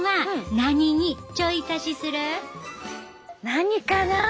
何かな